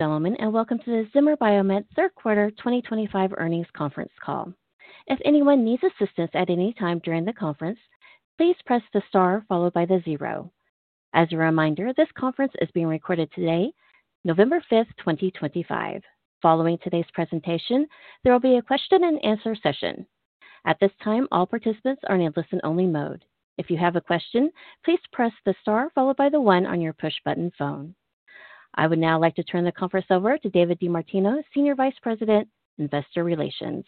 Gentlemen, and welcome to the Zimmer Biomet third quarter 2025 earnings conference call. If anyone needs assistance at any time during the conference, please press the star followed by the zero. As a reminder, this conference is being recorded today, November 5, 2025. Following today's presentation, there will be a question and answer session. At this time, all participants are in a listen-only mode. If you have a question, please press the star followed by the one on your push-button phone. I would now like to turn the conference over to David DeMartino, Senior Vice President, Investor Relations.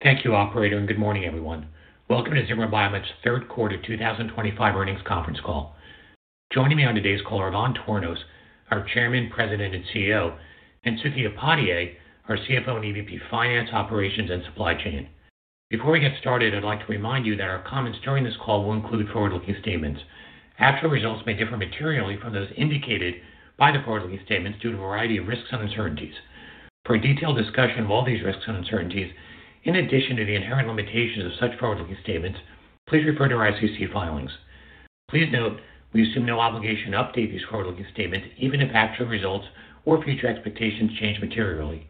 Thank you, Operator, and good morning, everyone. Welcome to Zimmer Biomet third quarter 2025 earnings conference call. Joining me on today's call are Ivan Tornos, our Chairman, President, and CEO, and Suky Upadhyay, our CFO and EVP Finance, Operations, and Supply Chain. Before we get started, I'd like to remind you that our comments during this call will include forward-looking statements. Actual results may differ materially from those indicated by the forward-looking statements due to a variety of risks and uncertainties. For a detailed discussion of all these risks and uncertainties, in addition to the inherent limitations of such forward-looking statements, please refer to our SEC filings. Please note, we assume no obligation to update these forward-looking statements even if actual results or future expectations change materially.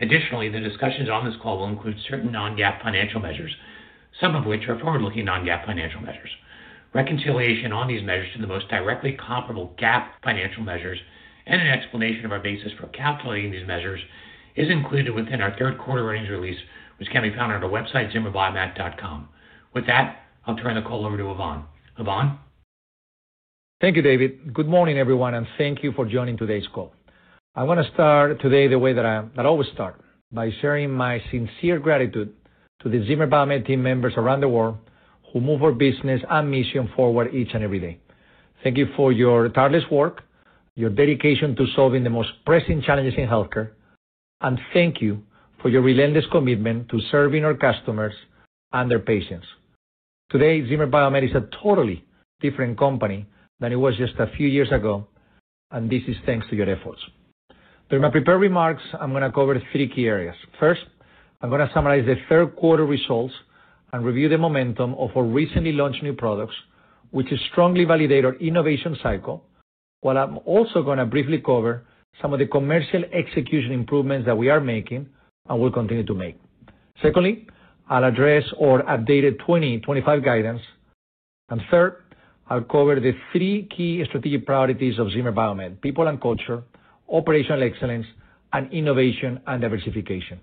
Additionally, the discussions on this call will include certain non-GAAP financial measures, some of which are forward-looking non-GAAP financial measures. Reconciliation on these measures to the most directly comparable GAAP financial measures and an explanation of our basis for calculating these measures is included within our third quarter earnings release, which can be found on our website, zimmerbiomet.com. With that, I'll turn the call over to Ivan. Ivan. Thank you, David. Good morning, everyone, and thank you for joining today's call. I want to start today the way that I always start, by sharing my sincere gratitude to the Zimmer Biomet team members around the world who move our business and mission forward each and every day. Thank you for your tireless work, your dedication to solving the most pressing challenges in healthcare, and thank you for your relentless commitment to serving our customers and their patients. Today, Zimmer Biomet is a totally different company than it was just a few years ago, and this is thanks to your efforts. During my prepared remarks, I'm going to cover three key areas. First, I'm going to summarize the third quarter results and review the momentum of our recently launched new products, which strongly validate our innovation cycle, while I'm also going to briefly cover some of the commercial execution improvements that we are making and will continue to make. Secondly, I'll address our updated 2025 guidance. And third, I'll cover the three key strategic priorities of Zimmer Biomet: people and culture, operational excellence, and innovation and diversification.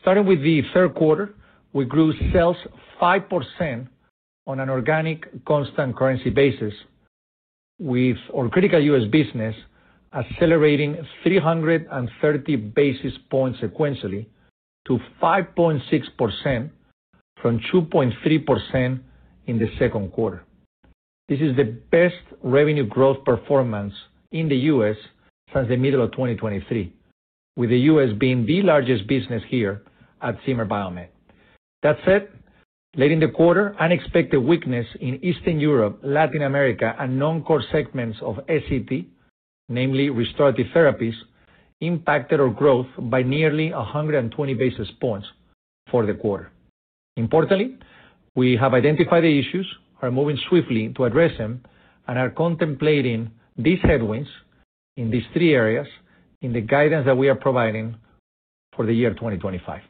Starting with the third quarter, we grew sales 5% on an organic, constant currency basis. With our critical U.S. business. Accelerating 330 basis points sequentially to 5.6%. From 2.3% in the second quarter. This is the best revenue growth performance in the U.S. since the middle of 2023, with the U.S. being the largest business here at Zimmer Biomet. That said, late in the quarter, unexpected weakness in Eastern Europe, Latin America, and non-core segments of S.E.T., namely restorative therapies, impacted our growth by nearly 120 basis points for the quarter. Importantly, we have identified the issues, are moving swiftly to address them, and are contemplating these headwinds in these three areas in the guidance that we are providing for the year 2025.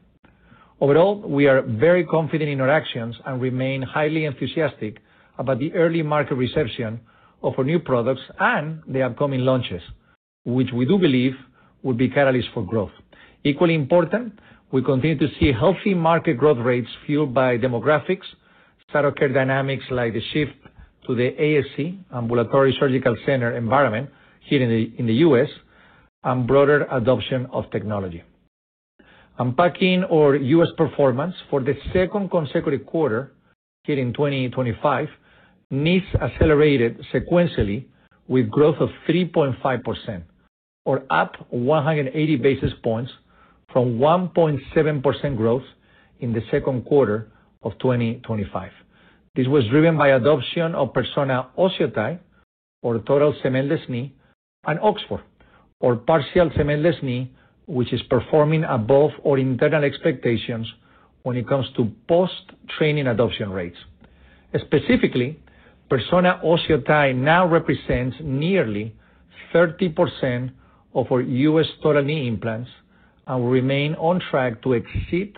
Overall, we are very confident in our actions and remain highly enthusiastic about the early market reception of our new products and the upcoming launches, which we do believe will be catalysts for growth. Equally important, we continue to see healthy market growth rates fueled by demographics, start-up care dynamics like the shift to the ASC, Ambulatory Surgical Center, environment here in the U.S., and broader adoption of technology. Unpacking our U.S. performance for the second consecutive quarter here in 2025. Needs accelerated sequentially with growth of 3.5%. Or up 180 basis points from 1.7% growth in the second quarter of 2025. This was driven by adoption of Persona OsseoTI, our total cementless knee, and Oxford, our partial cementless knee, which is performing above our internal expectations when it comes to post-training adoption rates. Specifically, Persona OsseoTI now represents nearly 30% of our U.S. total knee implants and will remain on track to exceed.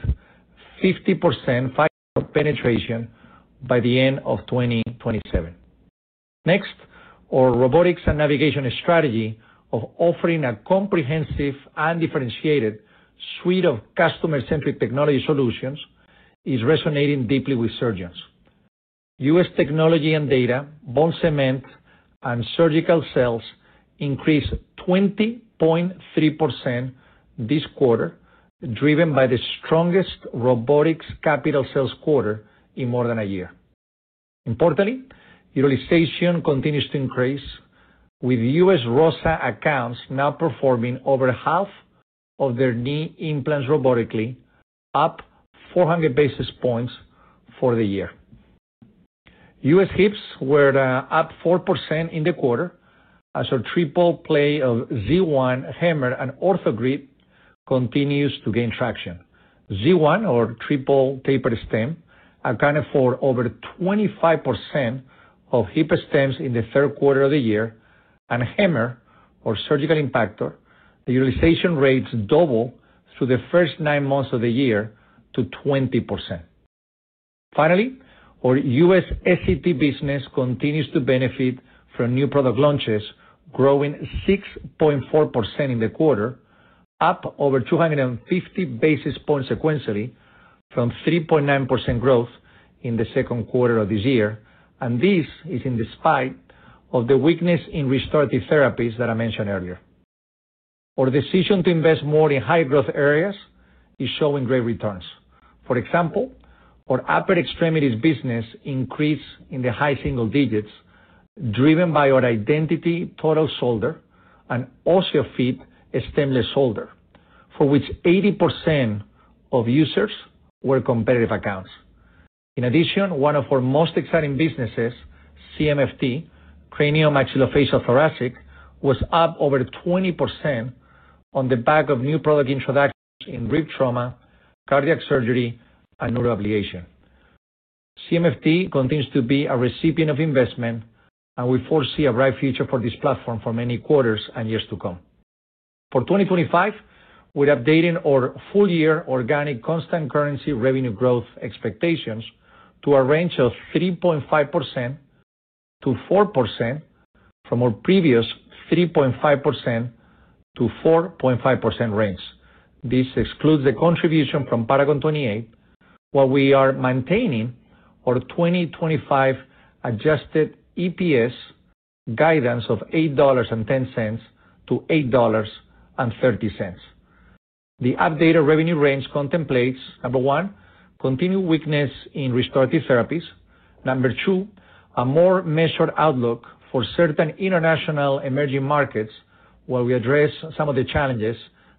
50% penetration by the end of 2027. Next, our robotics and navigation strategy of offering a comprehensive and differentiated suite of customer-centric technology solutions is resonating deeply with surgeons. U.S. technology and data, bone cement, and surgical cells increased 20.3%. This quarter, driven by the strongest robotics capital sales quarter in more than a year. Importantly, utilization continues to increase, with U.S. ROSA accounts now performing over half of their knee implants robotically, up 400 basis points for the year. U.S. HIPS were up 4% in the quarter, as our triple-play of Z1, HAMMR, and OrthoGrid continues to gain traction. Z1, our triple-tapered stem, accounted for over 25% of HIPS stems in the third quarter of the year, and HAMMR, our surgical impactor, the utilization rates doubled through the first nine months of the year to 20%. Finally, our U.S. S.E.T. business continues to benefit from new product launches, growing 6.4% in the quarter, up over 250 basis points sequentially from 3.9% growth in the second quarter of this year, and this is in spite of the weakness in restorative therapies that I mentioned earlier. Our decision to invest more in high-growth areas is showing great returns. For example, our upper extremities business increased in the high single digits, driven by our Identity total shoulder and OsseoFit stemless shoulder, for which 80% of users were competitive accounts. In addition, one of our most exciting businesses, CMFT, cranial, maxillofacial, thoracic, was up over 20%. On the back of new product introductions in rib trauma, cardiac surgery, and neuroablation. CMFT continues to be a recipient of investment, and we foresee a bright future for this platform for many quarters and years to come. For 2025, we're updating our full-year organic constant currency revenue growth expectations to a range of 3.5% to 4% from our previous 3.5% to 4.5% range. This excludes the contribution from Paragon 28, while we are maintaining our 2025 adjusted EPS guidance of $8.10 to $8.30. The updated revenue range contemplates, number one, continued weakness in restorative therapies. Number two, a more measured outlook for certain international emerging markets, while we address some of the challenges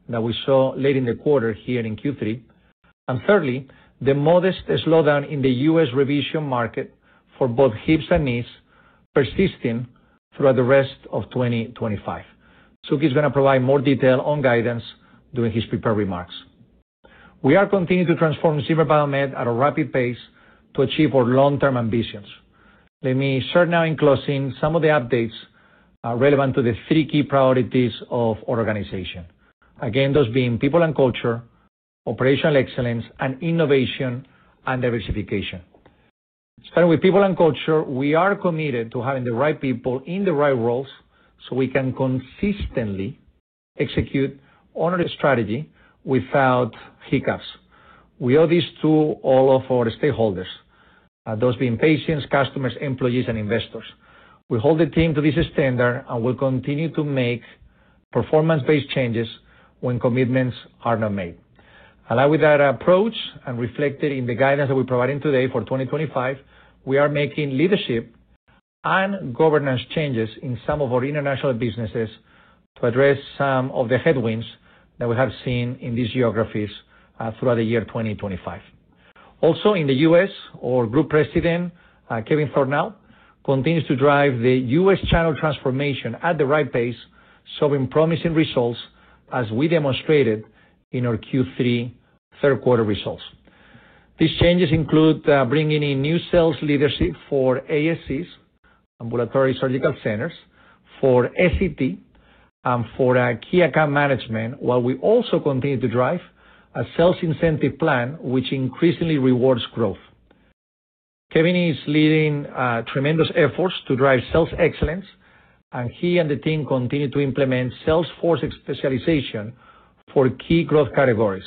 that we saw late in the quarter here in Q3. And thirdly, the modest slowdown in the U.S. revision market for both HIPS and KNEES persisting throughout the rest of 2025. Suky is going to provide more detail on guidance during his prepared remarks. We are continuing to transform Zimmer Biomet at a rapid pace to achieve our long-term ambitions. Let me start now in closing some of the updates relevant to the three key priorities of our organization. Again, those being people and culture, operational excellence, and innovation and diversification. Starting with people and culture, we are committed to having the right people in the right roles so we can consistently execute on our strategy without hiccups. We owe this to all of our stakeholders, those being patients, customers, employees, and investors. We hold the team to this standard, and we'll continue to make performance-based changes when commitments are not made. Aligned with that approach and reflected in the guidance that we're providing today for 2025, we are making leadership and governance changes in some of our international businesses to address some of the headwinds that we have seen in these geographies throughout the year 2025. Also, in the U.S., our Group President, Kevin Thornal, continues to drive the U.S. channel transformation at the right pace, showing promising results as we demonstrated in our Q3 third quarter results. These changes include bringing in new sales leadership for ASCs, Ambulatory Surgical Centers, for S.E.T., and for key account management, while we also continue to drive a sales incentive plan which increasingly rewards growth. Kevin is leading tremendous efforts to drive sales excellence, and he and the team continue to implement sales force specialization for key growth categories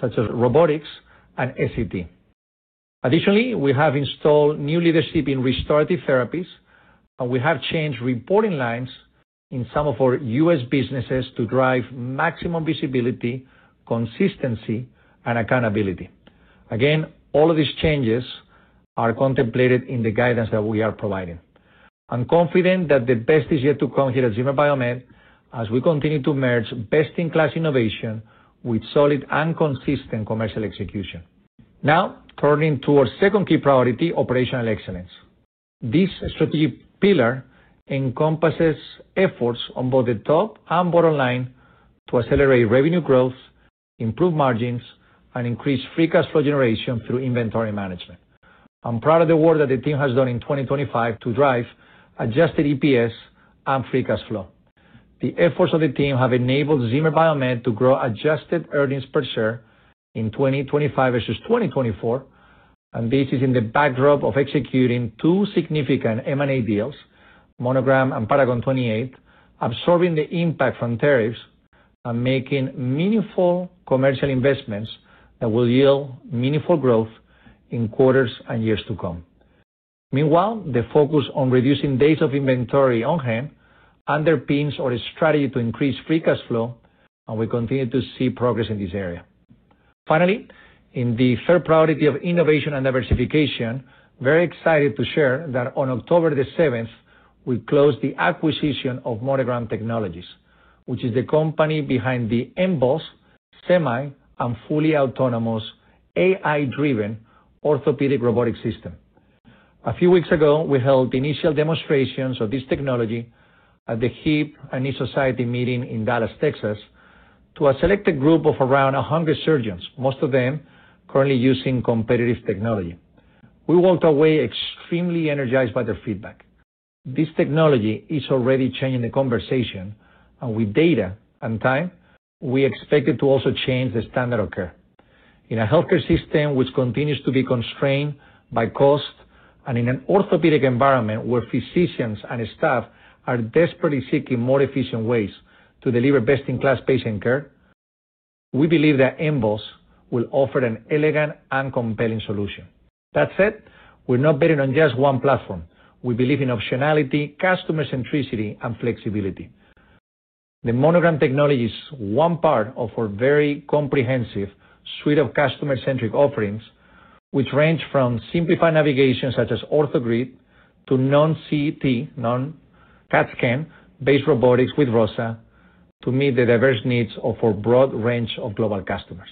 such as robotics and S.E.T. Additionally, we have installed new leadership in restorative therapies, and we have changed reporting lines in some of our U.S. businesses to drive maximum visibility, consistency, and accountability. Again, all of these changes are contemplated in the guidance that we are providing. I'm confident that the best is yet to come here at Zimmer Biomet as we continue to merge best-in-class innovation with solid and consistent commercial execution. Now, turning to our second key priority, operational excellence. This strategic pillar encompasses efforts on both the top and bottom line to accelerate revenue growth, improve margins, and increase free cash flow generation through inventory management. I'm proud of the work that the team has done in 2025 to drive adjusted EPS and free cash flow. The efforts of the team have enabled Zimmer Biomet to grow adjusted earnings per share in 2025 versus 2024, and this is in the backdrop of executing two significant M&A deals, Monogram and Paragon 28, absorbing the impact from tariffs and making meaningful commercial investments that will yield meaningful growth in quarters and years to come. Meanwhile, the focus on reducing days of inventory on hand underpins our strategy to increase free cash flow, and we continue to see progress in this area. Finally, in the third priority of innovation and diversification, very excited to share that on October the 7th, we closed the acquisition of Monogram Technologies, which is the company behind the mBôs semi and fully autonomous AI-driven orthopedic robotic system. A few weeks ago, we held initial demonstrations of this technology at the Hip and Knee Society meeting in Dallas, Texas, to a selected group of around 100 surgeons, most of them currently using competitive technology. We walked away extremely energized by their feedback. This technology is already changing the conversation, and with data and time, we expect it to also change the standard of care. In a healthcare system which continues to be constrained by cost and in an orthopedic environment where physicians and staff are desperately seeking more efficient ways to deliver best-in-class patient care, we believe that mBôs will offer an elegant and compelling solution. That said, we're not betting on just one platform. We believe in optionality, customer-centricity, and flexibility. The Monogram Technologies is one part of our very comprehensive suite of customer-centric offerings, which range from simplified navigation such as OrthoGrid to non-CT, non-CAT scan-based robotics with ROSA to meet the diverse needs of our broad range of global customers.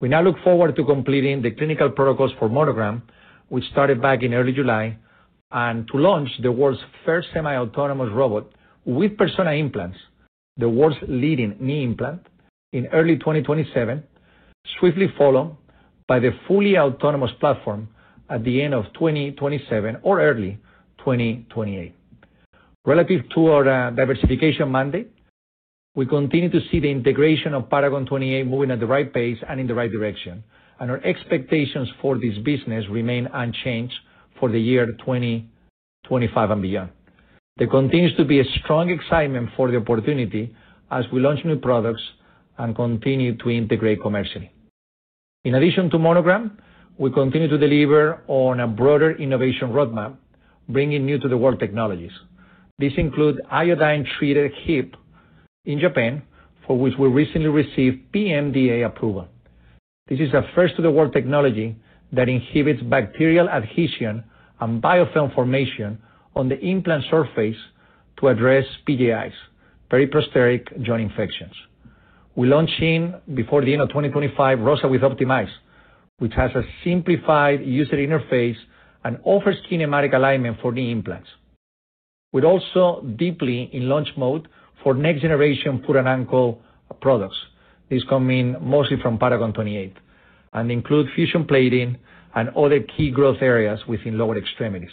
We now look forward to completing the clinical protocols for Monogram, which started back in early July, and to launch the world's first semi-autonomous robot with Persona implants, the world's leading knee implant, in early 2027, swiftly followed by the fully autonomous platform at the end of 2027 or early 2028. Relative to our diversification mandate, we continue to see the integration of Paragon 28 moving at the right pace and in the right direction, and our expectations for this business remain unchanged for the year 2025 and beyond. There continues to be a strong excitement for the opportunity as we launch new products and continue to integrate commercially. In addition to Monogram, we continue to deliver on a broader innovation roadmap, bringing new-to-the-world technologies. These include iodine-treated hips in Japan, for which we recently received PMDA approval. This is a first-to-the-world technology that inhibits bacterial adhesion and biofilm formation on the implant surface to address PJIs, periprosthetic joint infections. We launched in before the end of 2025, ROSA with OptimiZe, which has a simplified user interface and offers kinematic alignment for knee implants. We're also deeply in launch mode for next-generation foot and ankle products. These come in mostly from Paragon 28 and include fusion plating and other key growth areas within lower extremities.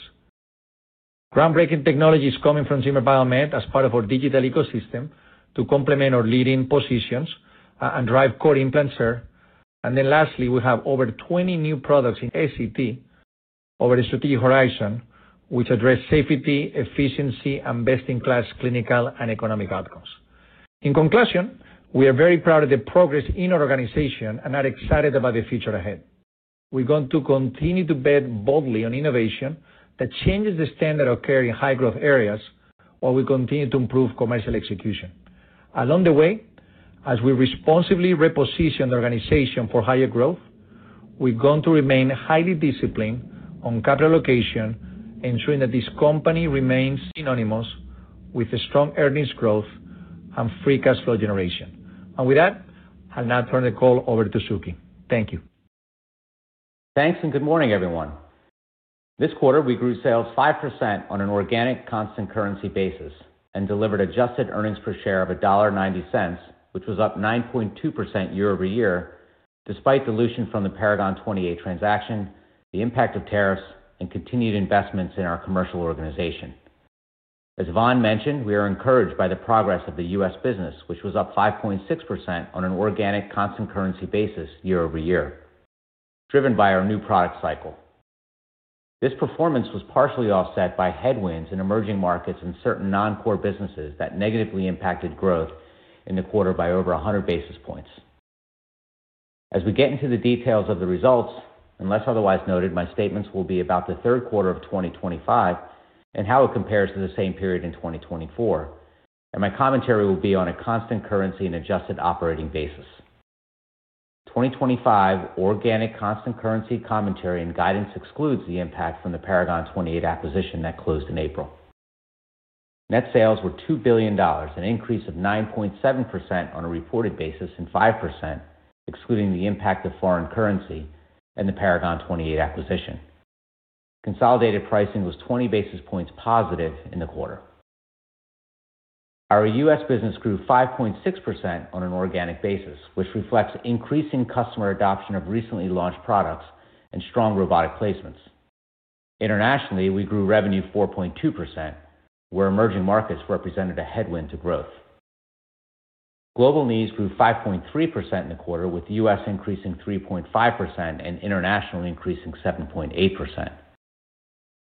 Groundbreaking technology is coming from Zimmer Biomet as part of our digital ecosystem to complement our leading positions and drive core implants. And then lastly, we have over 20 new products in S.E.T. o.ver a strategic horizon, which address safety, efficiency, and best-in-class clinical and economic outcomes. In conclusion, we are very proud of the progress in our organization and are excited about the future ahead. We're going to continue to bet boldly on innovation that changes the standard of care in high-growth areas while we continue to improve commercial execution. Along the way, as we responsibly reposition the organization for higher growth, we're going to remain highly disciplined on capital allocation, ensuring that this company remains synonymous with strong earnings growth and free cash flow generation. And with that, I'll now turn the call over to Suky. Thank you. Thanks, and good morning, everyone. This quarter, we grew sales 5% on an organic, constant currency basis and delivered adjusted earnings per share of $1.90, which was up 9.2% year over year, despite dilution from the Paragon 28 transaction, the impact of tariffs, and continued investments in our commercial organization. As Ivan mentioned, we are encouraged by the progress of the U.S. business, which was up 5.6% on an organic, constant currency basis year over year, driven by our new product cycle. This performance was partially offset by headwinds in emerging markets and certain non-core businesses that negatively impacted growth in the quarter by over 100 basis points. As we get into the details of the results, unless otherwise noted, my statements will be about the third quarter of 2025 and how it compares to the same period in 2024, and my commentary will be on a constant currency and adjusted operating basis. 2025 organic, constant currency commentary and guidance excludes the impact from the Paragon 28 acquisition that closed in April. Net sales were $2 billion, an increase of 9.7% on a reported basis and 5%, excluding the impact of foreign currency, and the Paragon 28 acquisition. Consolidated pricing was 20 basis points positive in the quarter. Our U.S. business grew 5.6% on an organic basis, which reflects increasing customer adoption of recently launched products and strong robotic placements. Internationally, we grew revenue 4.2%, where emerging markets represented a headwind to growth. Global needs grew 5.3% in the quarter, with U.S. increasing 3.5% and internationally increasing 7.8%.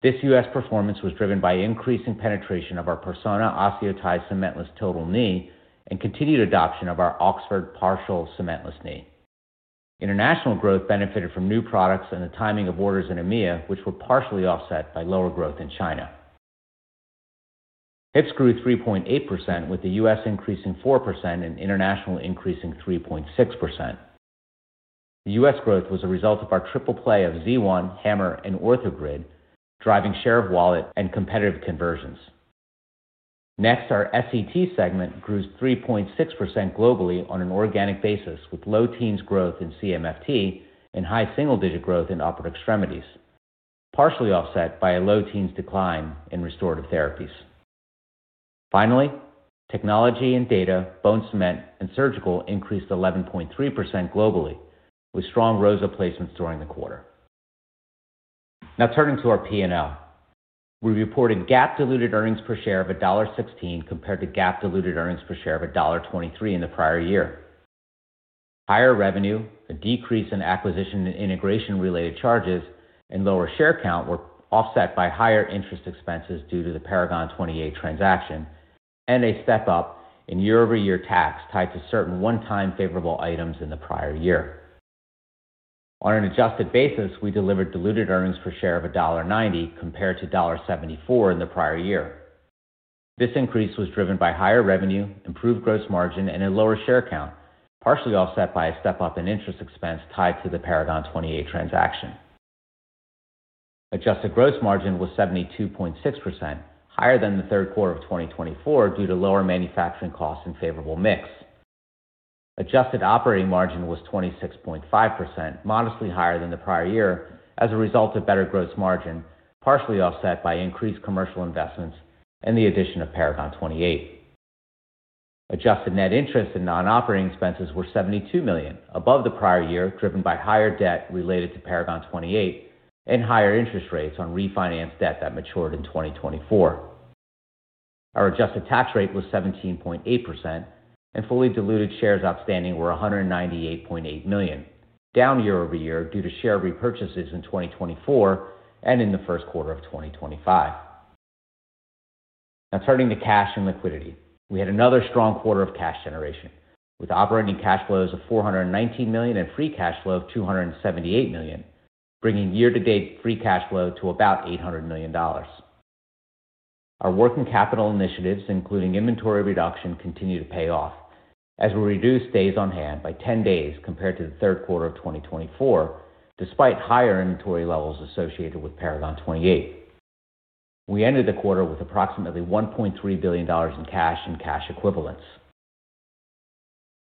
This U.S. performance was driven by increasing penetration of our Persona OsseoTI cementless total knee and continued adoption of our Oxford partial cementless knee. International growth benefited from new products and the timing of orders in EMEA, which were partially offset by lower growth in China. HIPS grew 3.8%, with the U.S. increasing 4% and international increasing 3.6%. The U.S. growth was a result of our triple play of Z1, HAMMR, and OrthoGrid, driving share of wallet and competitive conversions. Next, our S.E.T. segment grew 3.6% globally on an organic basis, with low teens growth in CMFT and high single-digit growth in upper extremities, partially offset by a low teens decline in restorative therapies. Finally, technology and data, bone cement, and surgical increased 11.3% globally, with strong ROSA placements during the quarter. Now, turning to our P&L, we reported gap-diluted earnings per share of $1.16 compared to gap-diluted earnings per share of $1.23 in the prior year. Higher revenue, a decrease in acquisition and integration-related charges, and lower share count were offset by higher interest expenses due to the Paragon 28 transaction and a step-up in year-over-year tax tied to certain one-time favorable items in the prior year. On an adjusted basis, we delivered diluted earnings per share of $1.90 compared to $1.74 in the prior year. This increase was driven by higher revenue, improved gross margin, and a lower share count, partially offset by a step-up in interest expense tied to the Paragon 28 transaction. Adjusted gross margin was 72.6%, higher than the third quarter of 2024 due to lower manufacturing costs and favorable mix. Adjusted operating margin was 26.5%, modestly higher than the prior year as a result of better gross margin, partially offset by increased commercial investments and the addition of Paragon 28. Adjusted net interest and non-operating expenses were 72 million, above the prior year, driven by higher debt related to Paragon 28 and higher interest rates on refinanced debt that matured in 2024. Our adjusted tax rate was 17.8%, and fully diluted shares outstanding were 198.8 million, down year over year due to share repurchases in 2024 and in the first quarter of 2025. Now, turning to cash and liquidity, we had another strong quarter of cash generation, with operating cash flows of 419 million and free cash flow of 278 million, bringing year-to-date free cash flow to about $800 million. Our working capital initiatives, including inventory reduction, continue to pay off as we reduce days on hand by 10 days compared to the third quarter of 2024, despite higher inventory levels associated with Paragon 28. We ended the quarter with approximately $1.3 billion in cash and cash equivalents.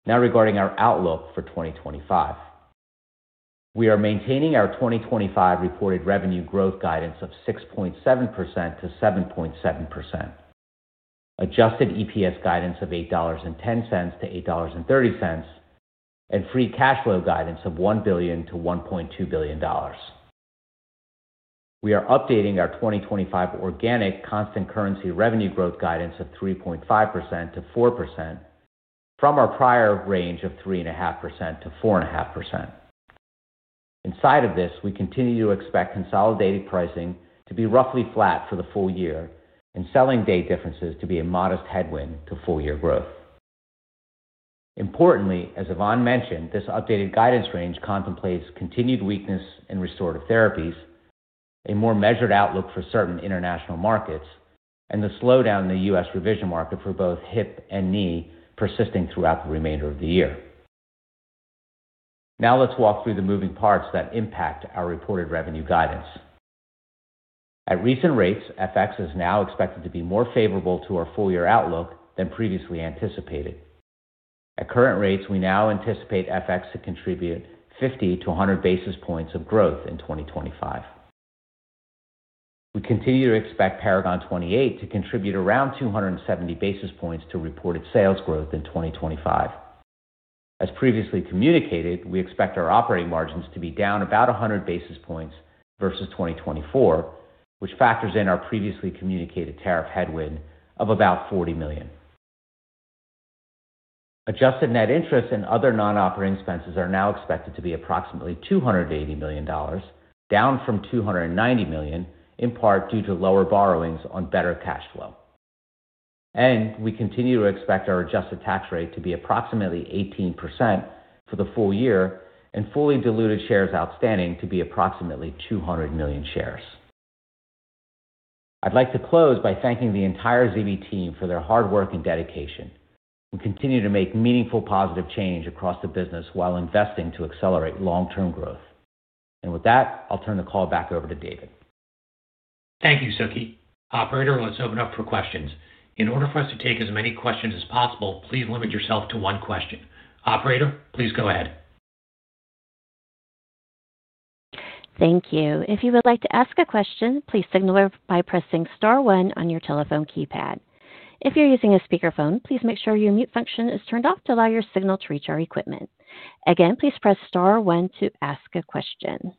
Now, regarding our outlook for 2025. We are maintaining our 2025 reported revenue growth guidance of 6.7% to 7.7%. Adjusted EPS guidance of $8.10 to $8.30. And free cash flow guidance of $1 billion to $1.2 billion. We are updating our 2025 organic, constant currency revenue growth guidance of 3.5% to 4%. From our prior range of 3.5% to 4.5%. Inside of this, we continue to expect consolidated pricing to be roughly flat for the full year and selling day differences to be a modest headwind to full-year growth. Importantly, as Ivan mentioned, this updated guidance range contemplates continued weakness in restorative therapies, a more measured outlook for certain international markets, and the slowdown in the U.S. revision market for both hip and knee persisting throughout the remainder of the year. Now, let's walk through the moving parts that impact our reported revenue guidance. At recent rates, FX is now expected to be more favorable to our full-year outlook than previously anticipated. At current rates, we now anticipate FX to contribute 50 to 100 basis points of growth in 2025. We continue to expect Paragon 28 to contribute around 270 basis points to reported sales growth in 2025. As previously communicated, we expect our operating margins to be down about 100 basis points versus 2024, which factors in our previously communicated tariff headwind of about 40 million. Adjusted net interest and other non-operating expenses are now expected to be approximately $280 million, down from $290 million, in part due to lower borrowings on better cash flow. And we continue to expect our adjusted tax rate to be approximately 18% for the full year and fully diluted shares outstanding to be approximately 200 million shares. I'd like to close by thanking the entire Zimmer team for their hard work and dedication and continue to make meaningful positive change across the business while investing to accelerate long-term growth. And with that, I'll turn the call back over to David. Thank you, Suky. Operator, let's open up for questions. In order for us to take as many questions as possible, please limit yourself to one question. Operator, please go ahead. Thank you. If you would like to ask a question, please signal by pressing star one on your telephone keypad. If you're using a speakerphone, please make sure your mute function is turned off to allow your signal to reach our equipment. Again, please press star one to ask a question.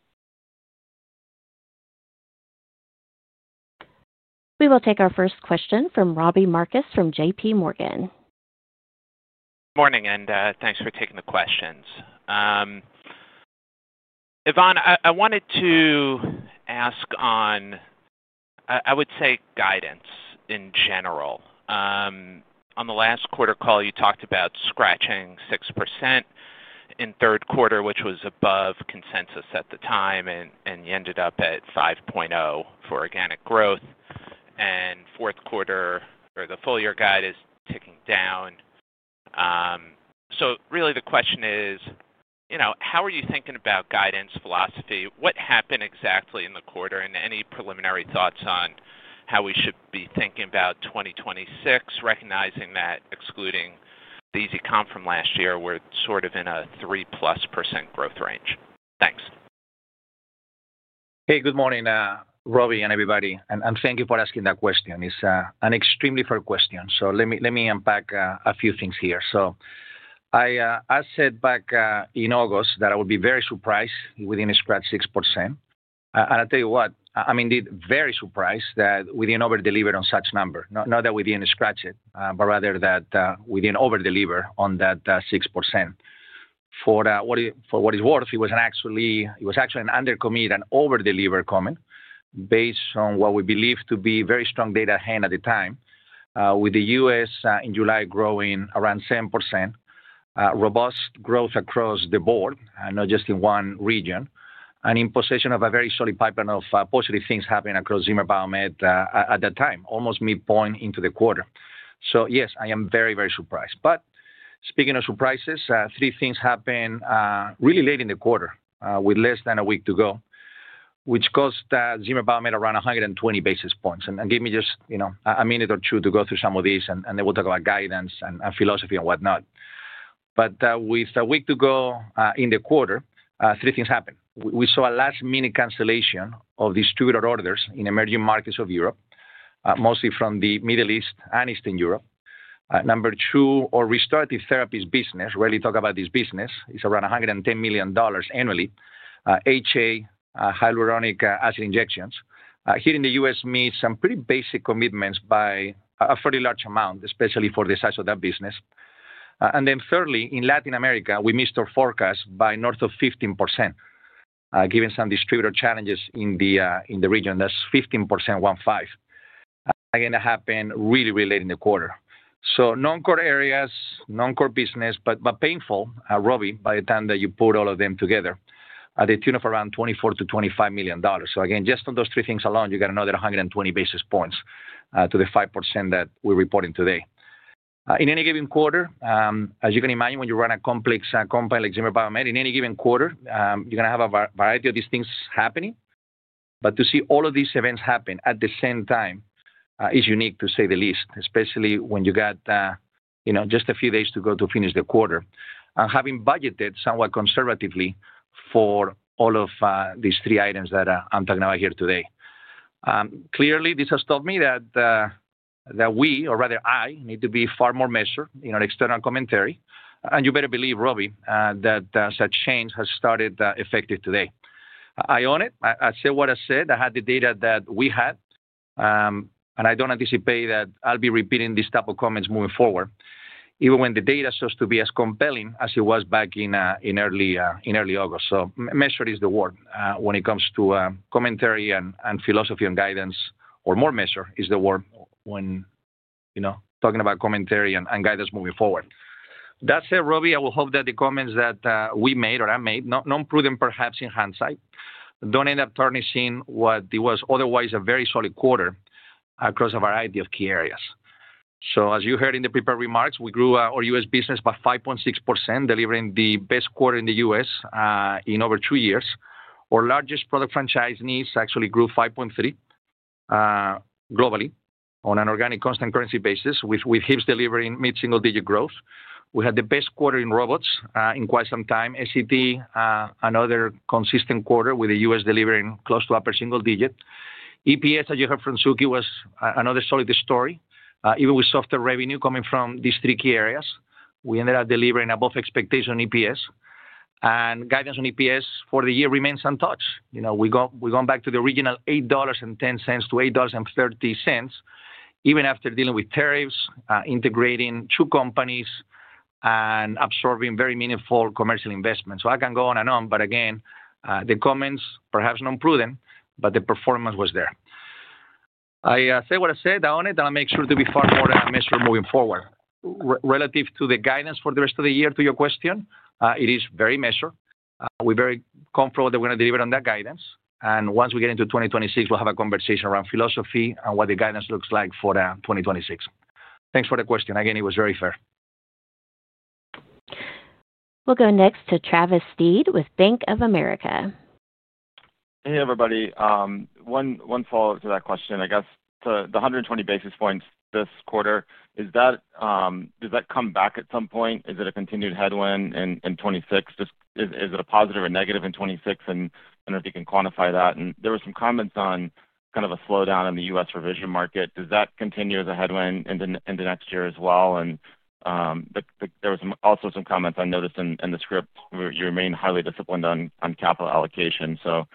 We will take our first question from Robbie Marcus from JPMorgan. Good morning, and thanks for taking the questions. Ivan, I wanted to. Ask on. I would say, guidance in general. On the last quarter call, you talked about scratching 6%. In third quarter, which was above consensus at the time, and you ended up at 5.0% for organic growth. And fourth quarter, or the full-year guide, is ticking down. So really, the question is. How are you thinking about guidance philosophy? What happened exactly in the quarter? And any preliminary thoughts on how we should be thinking about 2026, recognizing that, excluding the easy comp from last year, we're sort of in a +3% growth range. Thanks. Hey, good morning, Robbie and everybody. And thank you for asking that question. It's an extremely fair question. So let me unpack a few things here. So. I said back in August that I would be very surprised within a scratch 6%. And I'll tell you what, I'm indeed very surprised that we didn't overdeliver on such number. Not that we didn't scratch it, but rather that we didn't overdeliver on that 6%. For what it's worth, it was actually an undercommit and overdeliver comment based on what we believed to be very strong data at hand at the time, with the U.S. in July growing around 7%. Robust growth across the board, not just in one region, and in possession of a very solid pipeline of positive things happening across Zimmer Biomet at that time, almost midpoint into the quarter. So yes, I am very, very surprised. But speaking of surprises, three things happened really late in the quarter, with less than a week to go, which cost Zimmer Biomet around 120 basis points. And give me just a minute or two to go through some of these, and then we'll talk about guidance and philosophy and whatnot. But with a week to go in the quarter, three things happened. We saw a last-minute cancellation of distributor orders in emerging markets of Europe, mostly from the Middle East and Eastern Europe. Number two, our restorative therapies business, rarely talk about this business, is around $110 million annually, HA, hyaluronic acid injections. Here in the U.S., we made some pretty basic commitments by a fairly large amount, especially for the size of that business. And then thirdly, in Latin America, we missed our forecast by north of 15%. Given some distributor challenges in the region, that's 15%, 15. Again, that happened really, really late in the quarter. So non-core areas, non-core business, but painful, Robbie, by the time that you put all of them together, at the tune of around $24 to $25 million. So again, just on those three things alone, you got another 120 basis points to the 5% that we're reporting today. In any given quarter, as you can imagine, when you run a complex company like Zimmer Biomet, in any given quarter, you're going to have a variety of these things happening. But to see all of these events happen at the same time is unique, to say the least, especially when you got. Just a few days to go to finish the quarter and having budgeted somewhat conservatively for all of these three items that I'm talking about here today. Clearly, this has taught me that. We, or rather I, need to be far more measured in our external commentary. And you better believe, Robbie, that such change has started effective today. I own it. I said what I said. I had the data that we had. And I don't anticipate that I'll be repeating this type of comments moving forward, even when the data shows to be as compelling as it was back in early. August. So measured is the word when it comes to commentary and philosophy and guidance, or more measured is the word when. Talking about commentary and guidance moving forward. That said, Robbie, I will hope that the comments that we made, or I made, non-prudent perhaps in hindsight, don't end up tarnishing what was otherwise a very solid quarter across a variety of key areas. So as you heard in the prepared remarks, we grew our U.S. business by 5.6%, delivering the best quarter in the U.S. in over two years. Our largest product franchise needs actually grew 5.3%. Globally on an organic constant currency basis, with HIPS delivering mid-single-digit growth. We had the best quarter in robots in quite some time. S.E.T., another consistent quarter with the U.S. delivering close to upper single digit. EPS, as you heard from Suky, was another solid story. Even with softer revenue coming from these three key areas, we ended up delivering above expectation on EPS. And guidance on EPS for the year remains untouched. We're going back to the original $8.10 to $8.30, even after dealing with tariffs, integrating two companies, and absorbing very meaningful commercial investments. So I can go on and on, but again, the comments, perhaps non-prudent, but the performance was there. I say what I said. I own it. I'll make sure to be far more measured moving forward. Relative to the guidance for the rest of the year, to your question, it is very measured. We're very comfortable that we're going to deliver on that guidance. And once we get into 2026, we'll have a conversation around philosophy and what the guidance looks like for 2026. Thanks for the question. Again, it was very fair. We'll go next to Travis Steed with Bank of America. Hey, everybody. One follow-up to that question. I guess the 120 basis points this quarter, does that come back at some point? Is it a continued headwind in 2026? Is it a positive or negative in 2026? And I don't know if you can quantify that. And there were some comments on kind of a slowdown in the U.S. revision market. Does that continue as a headwind into next year as well? And. There were also some comments I noticed in the script. You remain highly disciplined on capital allocation. So.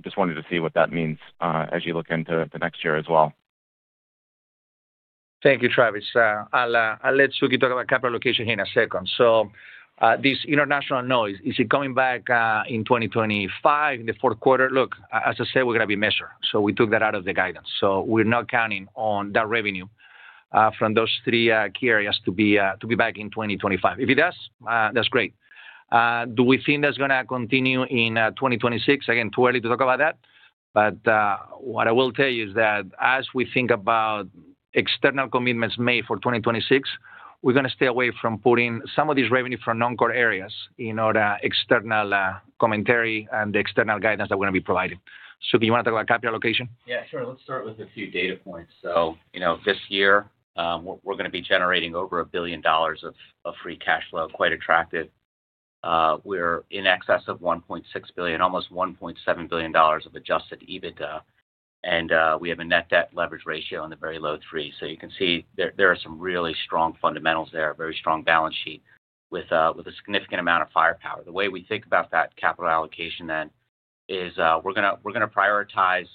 Just wanted to see what that means as you look into the next year as well. Thank you, Travis. I'll let Suky talk about capital allocation here in a second. So. This international noise, is it coming back in 2025, in the fourth quarter? Look, as I said, we're going to be measured. So we took that out of the guidance. So we're not counting on that revenue from those three key areas to be back in 2025. If it does, that's great. Do we think that's going to continue in 2026? Again, too early to talk about that. But what I will tell you is that as we think about. External commitments made for 2026, we're going to stay away from putting some of this revenue from non-core areas in our external commentary and the external guidance that we're going to be providing. Suky, you want to talk about capital allocation? Yeah, sure. Let's start with a few data points. So this year, we're going to be generating over a billion dollars of free cash flow, quite attractive. We're in excess of 1.6 billion, almost $1.7 billion of adjusted EBITDA. And we have a net debt leverage ratio in the very low three. So you can see there are some really strong fundamentals there, a very strong balance sheet with a significant amount of firepower. The way we think about that capital allocation then is we're going to prioritize.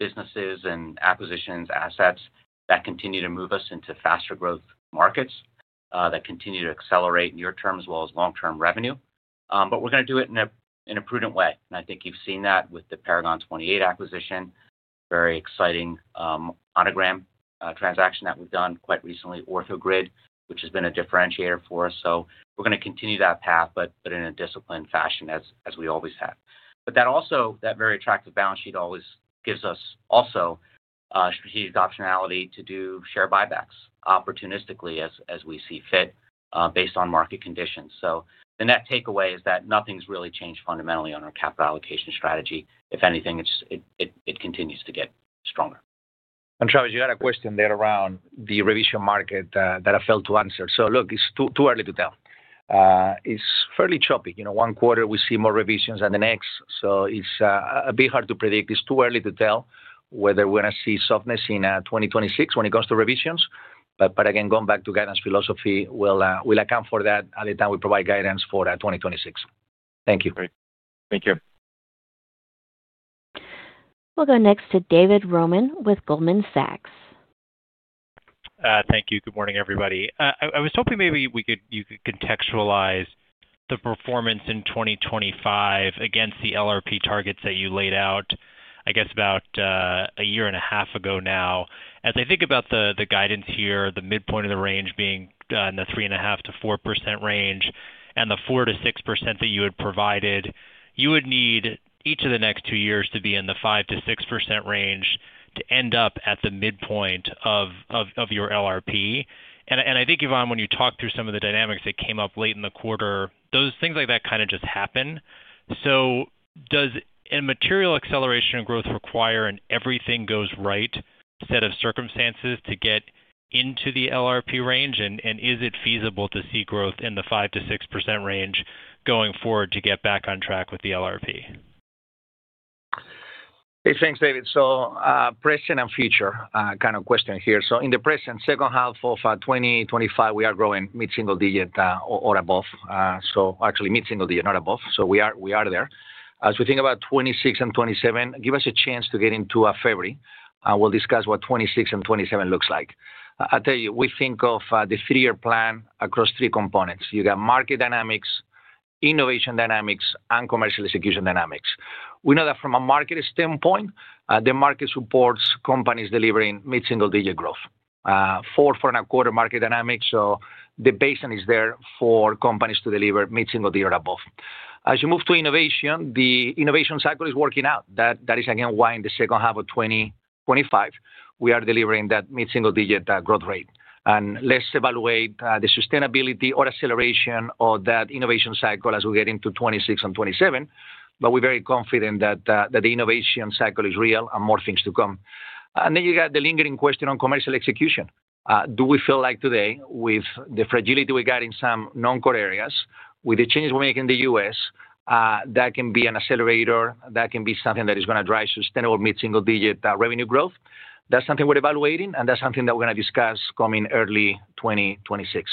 Businesses and acquisitions, assets that continue to move us into faster growth markets, that continue to accelerate near-term as well as long-term revenue. But we're going to do it in a prudent way. And I think you've seen that with the Paragon 28 acquisition, very exciting Monogram transaction that we've done quite recently, OrthoGrid, which has been a differentiator for us. So we're going to continue that path, but in a disciplined fashion as we always have. But that very attractive balance sheet always gives us also. Strategic optionality to do share buybacks opportunistically as we see fit based on market conditions. So the net takeaway is that nothing's really changed fundamentally on our capital allocation strategy. If anything, it continues to get stronger. And Travis, you had a question there around the revision market that I failed to answer. So look, it's too early to tell. It's fairly choppy. One quarter, we see more revisions than the next. So it's a bit hard to predict. It's too early to tell whether we're going to see softness in 2026 when it comes to revisions. But again, going back to guidance philosophy, we'll account for that at the time we provide guidance for 2026. Thank you. Great. Thank you. We'll go next to David Roman with Goldman Sachs. Thank you. Good morning, everybody. I was hoping maybe you could contextualize the performance in 2025 against the LRP targets that you laid out, I guess, about. A year and a half ago now. As I think about the guidance here, the midpoint of the range being in the 3.5 to 4% range and the 4 to 6% that you had provided, you would need each of the next two years to be in the 5 to 6% range to end up at the midpoint of your LRP. And I think, Ivan, when you talked through some of the dynamics that came up late in the quarter, those things like that kind of just happen. So does a material acceleration in growth require an everything-goes-right set of circumstances to get into the LRP range? And is it feasible to see growth in the 5 to 6% range going forward to get back on track with the LRP? Hey, thanks, David. So present and future kind of question here. So in the present, second half of 2025, we are growing mid-single digit or above. So actually, mid-single digit, not above. So we are there. As we think about 2026 and 2027, give us a chance to get into February, and we'll discuss what 2026 and 2027 looks like. I'll tell you, we think of the three-year plan across three components. You got market dynamics, innovation dynamics, and commercial execution dynamics. We know that from a market standpoint, the market supports companies delivering mid-single digit growth. Fourth and a quarter market dynamics, so the baseline is there for companies to deliver mid-single digit or above. As you move to innovation, the innovation cycle is working out. That is, again, why in the second half of 2025, we are delivering that mid-single digit growth rate. And let's evaluate the sustainability or acceleration of that innovation cycle as we get into 2026 and 2027. But we're very confident that the innovation cycle is real and more things to come. And then you got the lingering question on commercial execution. Do we feel like today, with the fragility we got in some non-core areas, with the changes we're making in the U.S., that can be an accelerator, that can be something that is going to drive sustainable mid-single digit revenue growth? That's something we're evaluating, and that's something that we're going to discuss coming early 2026.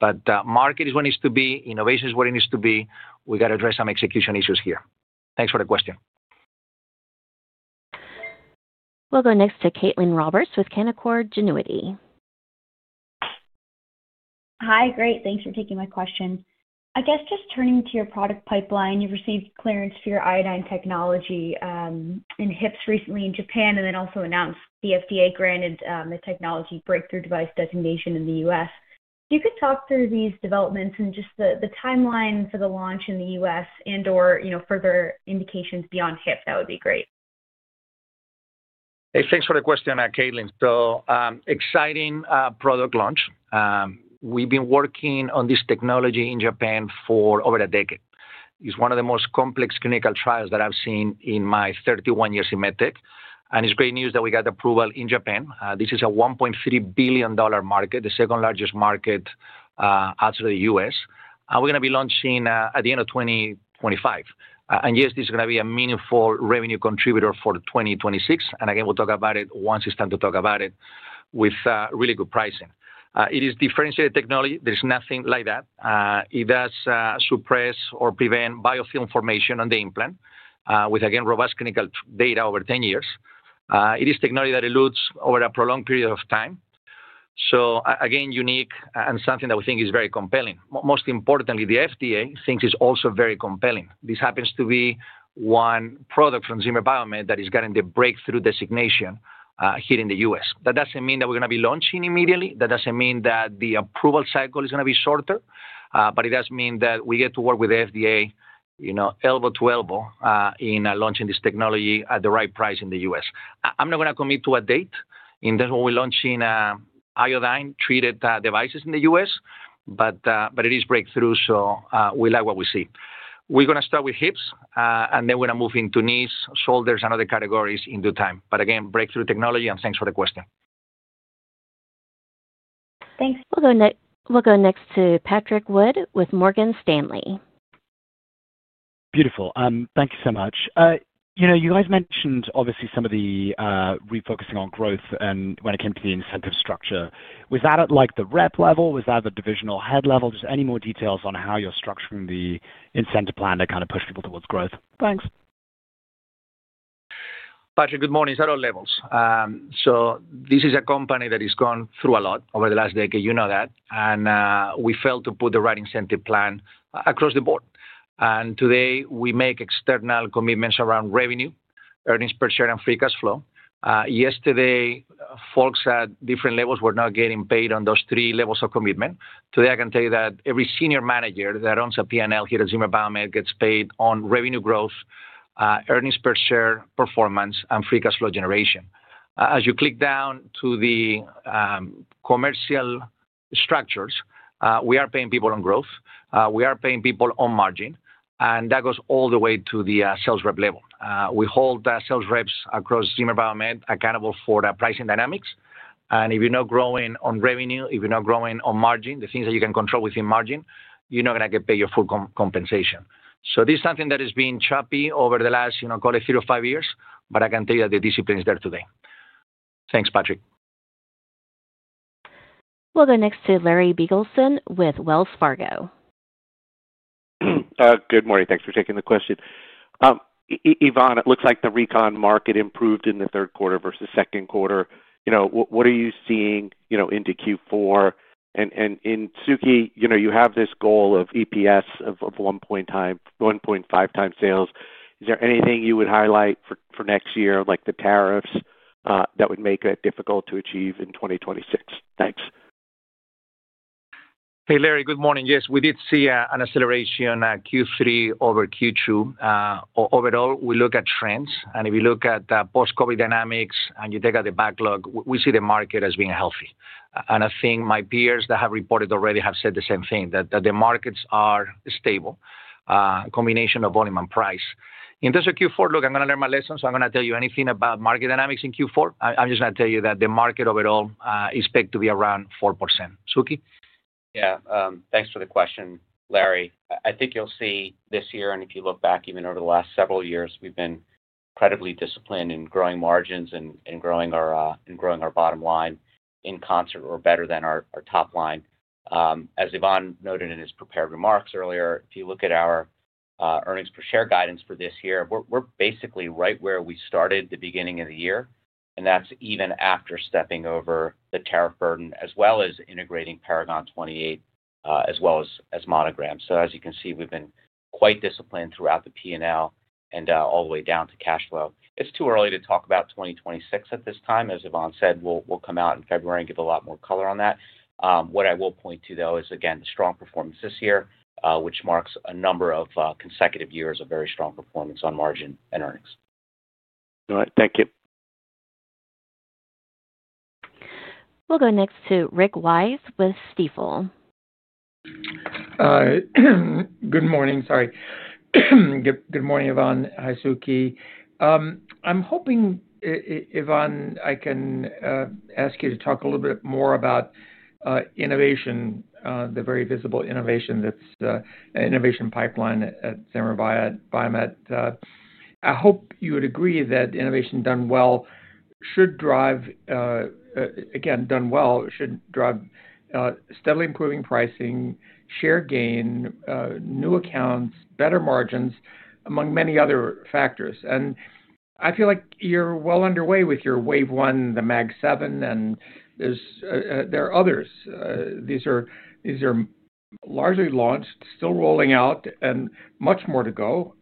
But market is where it needs to be. Innovation is where it needs to be. We got to address some execution issues here. Thanks for the question. We'll go next to Caitlin Roberts with Canaccord Genuity. Hi, great. Thanks for taking my question. I guess just turning to your product pipeline, you've received clearance for your iodine technology. In HIPS recently in Japan, and then also announced the FDA granted the technology breakthrough device designation in the U.S. If you could talk through these developments and just the timeline for the launch in the U.S. and/or further indications beyond HIPS, that would be great. Hey, thanks for the question on that, Caitlin. So exciting product launch. We've been working on this technology in Japan for over a decade. It's one of the most complex clinical trials that I've seen in my 31 years in medtech. And it's great news that we got approval in Japan. This is a $1.3 billion market, the second largest market. After the U.S. And we're going to be launching at the end of 2025. And yes, this is going to be a meaningful revenue contributor for 2026. And again, we'll talk about it once it's time to talk about it with really good pricing. It is differentiated technology. There's nothing like that. It does suppress or prevent biofilm formation on the implant with, again, robust clinical data over 10 years. It is technology that eludes over a prolonged period of time. So again, unique and something that we think is very compelling. Most importantly, the FDA thinks it's also very compelling. This happens to be one product from Zimmer Biomet that is getting the breakthrough designation here in the U.S. That doesn't mean that we're going to be launching immediately. That doesn't mean that the approval cycle is going to be shorter. But it does mean that we get to work with the FDA. Elbow to elbow in launching this technology at the right price in the U.S. I'm not going to commit to a date in terms of when we're launching iodine-treated devices in the U.S., but it is breakthrough, so we like what we see. We're going to start with HIPS, and then we're going to move into knees, shoulders, and other categories in due time. But again, breakthrough technology, and thanks for the question. Thanks. We'll go next to Patrick Wood with Morgan Stanley. Beautiful. Thank you so much. You guys mentioned, obviously, some of the refocusing on growth when it came to the incentive structure. Was that at the rep level? Was that at the divisional head level? Just any more details on how you're structuring the incentive plan to kind of push people towards growth? Thanks. Patrick, good morning. It's at all levels. So this is a company that has gone through a lot over the last decade. You know that. And we failed to put the right incentive plan across the board. And today, we make external commitments around revenue, earnings per share, and free cash flow. Yesterday, folks at different levels were not getting paid on those three levels of commitment. Today, I can tell you that every senior manager that owns a P&L here at Zimmer Biomet gets paid on revenue growth, earnings per share, performance, and free cash flow generation. As you click down to the. Commercial structures, we are paying people on growth. We are paying people on margin. And that goes all the way to the sales rep level. We hold sales reps across Zimmer Biomet accountable for pricing dynamics. And if you're not growing on revenue, if you're not growing on margin, the things that you can control within margin, you're not going to get paid your full compensation. So this is something that has been choppy over the last, call it, three or five years. But I can tell you that the discipline is there today. Thanks, Patrick. We'll go next to Larry Biegelsen with Wells Fargo. Good morning. Thanks for taking the question. Ivan, it looks like the recon market improved in the third quarter versus second quarter. What are you seeing into Q4? And Suky, you have this goal of EPS of 1.5x sales. Is there anything you would highlight for next year, like the tariffs, that would make it difficult to achieve in 2026? Thanks. Hey, Larry, good morning. Yes, we did see an acceleration Q3 over Q2. Overall, we look at trends. And if you look at post-COVID dynamics and you take out the backlog, we see the market as being healthy. And I think my peers that have reported already have said the same thing, that the markets are stable. A combination of volume and price. In terms of Q4, look, I'm going to learn my lesson. So I'm going to tell you anything about market dynamics in Q4. I'm just going to tell you that the market overall is expected to be around 4%. Suky? Yeah. Thanks for the question, Larry. I think you'll see this year, and if you look back even over the last several years, we've been incredibly disciplined in growing margins and growing our bottom line in concert or better than our top line. As Ivan noted in his prepared remarks earlier, if you look at our earnings per share guidance for this year, we're basically right where we started the beginning of the year. And that's even after stepping over the tariff burden, as well as integrating Paragon 28, as well as Monogram. So as you can see, we've been quite disciplined throughout the P&L and all the way down to cash flow. It's too early to talk about 2026 at this time. As Ivan said, we'll come out in February and give a lot more color on that. What I will point to, though, is, again, the strong performance this year, which marks a number of consecutive years of very strong performance on margin and earnings. All right. Thank you. We'll go next to Rick Wise with Stifel. Good morning. Sorry. Good morning, Ivan hi Suky. I'm hoping. Ivan, I can ask you to talk a little bit more about. Innovation, the very visible innovation pipeline at Zimmer Biomet. I hope you would agree that innovation done well should drive, again, done well, should drive. Steadily improving pricing, share gain, new accounts, better margins, among many other factors. And I feel like you're well underway with your wave one, the mag seven, and there are others. These are. Largely launched, still rolling out, and much more to go.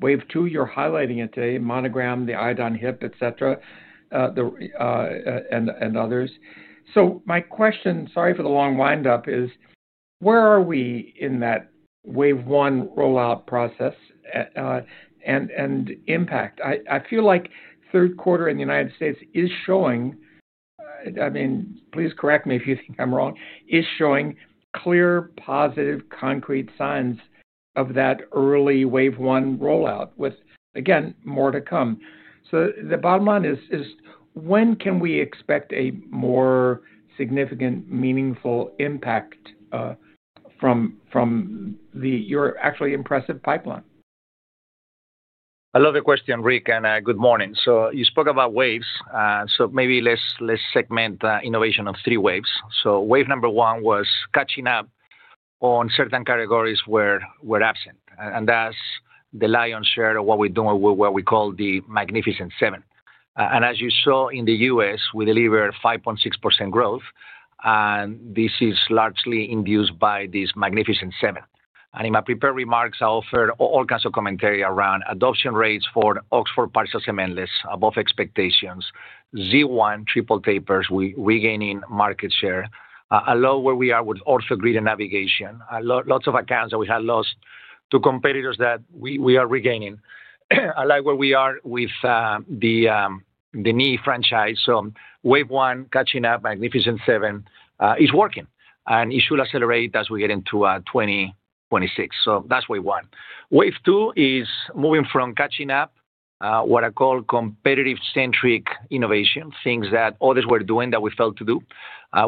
Wave two, you're highlighting it today, Monogram, the iodine HIP, etc. And others. So my question, sorry for the long windup, is where are we in that wave one rollout process. And impact? I feel like third quarter in the United States is showing. I mean, please correct me if you think I'm wrong, is showing clear, positive, concrete signs of that early wave one rollout, with, again, more to come. So the bottom line is, when can we expect a more significant, meaningful impact. From. Your actually impressive pipeline? I love the question, Rick, and good morning. So you spoke about waves. So maybe let's segment innovation of three waves. So wave number one was catching up. On certain categories where we're absent. And that's the lion's share of what we do with what we call the magnificent seven. And as you saw in the U.S., we deliver 5.6% growth. And this is largely induced by this magnificent seven. And in my prepared remarks, I offered all kinds of commentary around adoption rates for Oxford partial cementless above expectations, Z1 triple tapers, regaining market share, a lot where we are with OrthoGrid and navigation, lots of accounts that we had lost to competitors that we are regaining, a lot where we are with. The knee franchise. So wave one, catching up, magnificent seven is working. And it should accelerate as we get into 2026. So that's wave one. Wave two is moving from catching up what I call competitive-centric innovation, things that others were doing that we failed to do.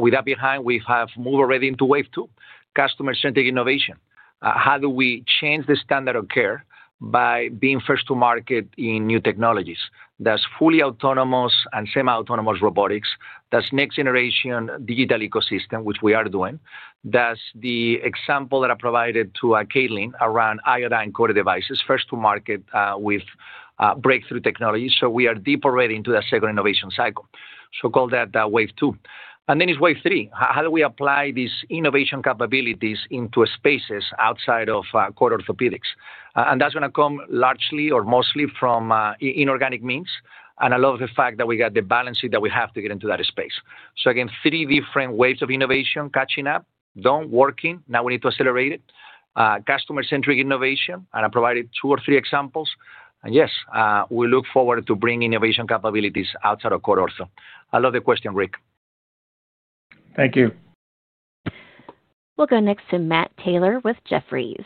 With that behind, we have moved already into wave two, customer-centric innovation. How do we change the standard of care by being first to market in new technologies? That's fully autonomous and semi-autonomous robotics. That's next-generation digital ecosystem, which we are doing. That's the example that I provided to Caitlin around iodine coded devices, first to market with. Breakthrough technology. So we are deep already into the second innovation cycle. So call that wave two. And then it's wave three. How do we apply these innovation capabilities into spaces outside of core orthopedics? And that's going to come largely or mostly from inorganic means and a lot of the fact that we got the balance sheet that we have to get into that space. So again, three different waves of innovation catching up, done working. Now we need to accelerate it. Customer-centric innovation. And I provided two or three examples. And yes, we look forward to bringing innovation capabilities outside of core ortho. I love the question, Rick. Thank you. We'll go next to Matt Taylor with Jefferies.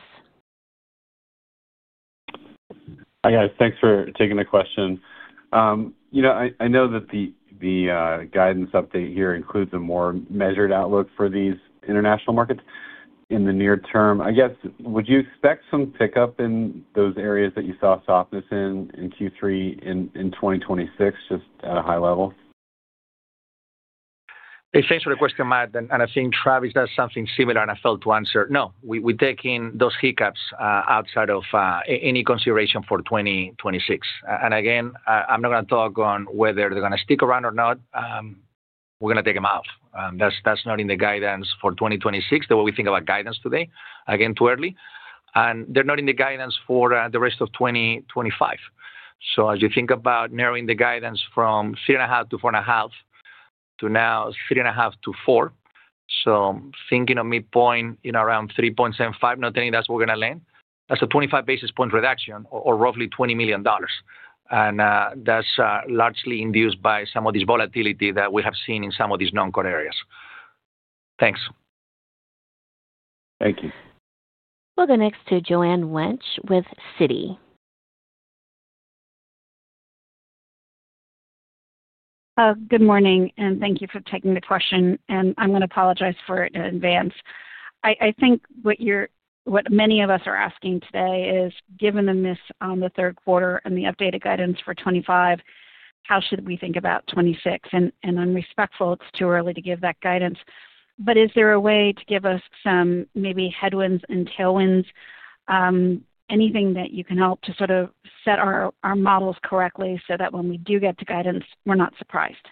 Hi, guys. Thanks for taking the question. I know that the. Guidance update here includes a more measured outlook for these international markets in the near term. I guess, would you expect some pickup in those areas that you saw softness in Q3 in 2026, just at a high level? Hey, thanks for the question, Matt. And I think Travis has something similar and I failed to answer. No, we take in those hiccups outside of any consideration for 2026. And again, I'm not going to talk on whether they're going to stick around or not. We're going to take them out. That's not in the guidance for 2026, the way we think about guidance today. Again, too early. And they're not in the guidance for the rest of 2025. So as you think about narrowing the guidance from 3.5 to 4.5 to now 3.5 to 4, so thinking of midpoint around 3.75, not anything that's going to land, that's a 25 basis point reduction or roughly $20 million. And that's largely induced by some of this volatility that we have seen in some of these non-core areas. Thanks. Thank you. We'll go next to Joanne Wench with City. Good morning. And thank you for taking the question. And I'm going to apologize for it in advance. I think what many of us are asking today is, given the miss on the third quarter and the updated guidance for 2025, how should we think about 2026? And I'm respectful it's too early to give that guidance. But is there a way to give us some maybe headwinds and tailwinds. Anything that you can help to sort of set our models correctly so that when we do get to guidance, we're not surprised?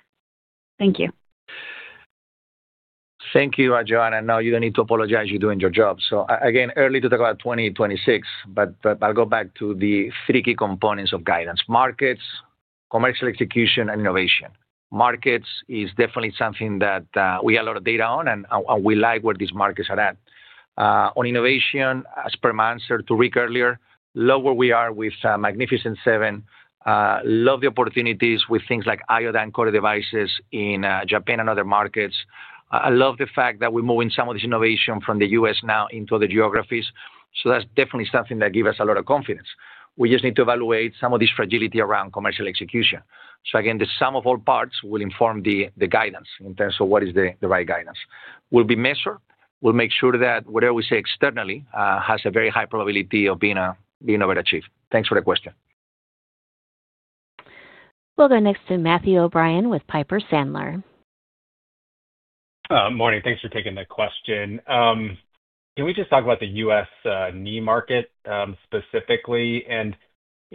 Thank you. Thank you, Joanne. I know you're going to need to apologize. You're doing your job. So again, early to talk about 2026, but I'll go back to the three key components of guidance: markets, commercial execution, and innovation. Markets is definitely something that we have a lot of data on, and we like where these markets are at. On innovation, as per my answer to Rick earlier, love where we are with magnificent seven. Love the opportunities with things like iodine coded devices in Japan and other markets. I love the fact that we're moving some of this innovation from the U.S. now into other geographies. So that's definitely something that gives us a lot of confidence. We just need to evaluate some of this fragility around commercial execution. So again, the sum of all parts will inform the guidance in terms of what is the right guidance. We'll be measured. We'll make sure that whatever we say externally has a very high probability of being overachieved. Thanks for the question. We'll go next to Matthew O'Brien with Piper Sandler. Morning. Thanks for taking the question. Can we just talk about the U.S. knee market specifically? And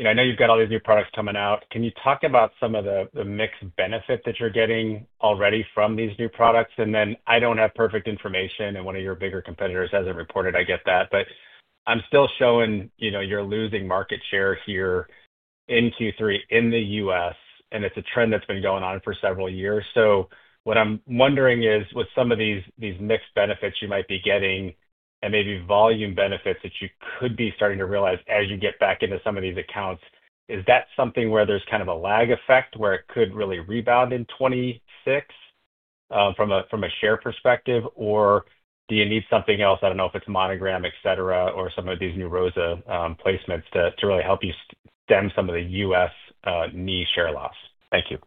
I know you've got all these new products coming out. Can you talk about some of the mixed benefit that you're getting already from these new products? And then I don't have perfect information. And one of your bigger competitors hasn't reported, I get that. But I'm still showing you're losing market share here in Q3 in the U.S., and it's a trend that's been going on for several years. So what I'm wondering is, with some of these mixed benefits you might be getting and maybe volume benefits that you could be starting to realize as you get back into some of these accounts, is that something where there's kind of a lag effect where it could really rebound in 2026. From a share perspective? Or do you need something else? I don't know if it's Monogram, etc., or some of these new ROSA placements to really help you stem some of the U.S. knee share loss. Thank you.